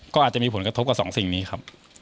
ก็อาจจะมีผลกระทบกับสองสิ่งนี้ครับ